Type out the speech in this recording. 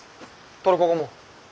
トルコ語？